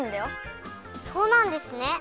そうなんですね。